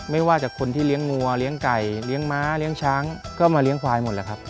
ไม่ว่าจากคนที่เลี้ยงวัวเลี้ยงไก่เลี้ยงม้าเลี้ยงช้างก็มาเลี้ยควายหมดแล้วครับ